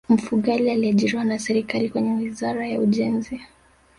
mfugale aliajiriwa na serikali kwenye wizara ya ujenzi